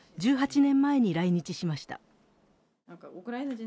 １８年前に来日しました。